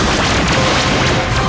aku tidak percaya